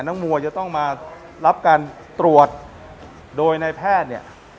มัวจะต้องมารับการตรวจโดยในแพทย์เนี่ย